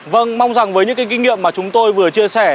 vâng mong rằng với những cái kinh nghiệm mà chúng tôi vừa chia sẻ